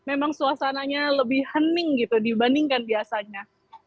ini memang suasananya lebih hening dibandingkan biasanya